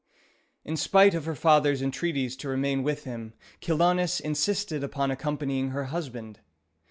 In spite of her father's entreaties to remain with him, Chilonis insisted upon accompanying her husband.